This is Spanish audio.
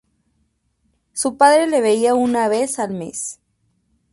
Su padre le veía una vez al mes.